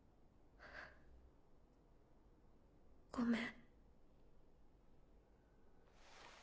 ごめん。